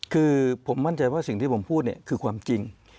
คือผมมั่นใจว่าสิ่งที่ผมพูดเนี่ยคือความจริง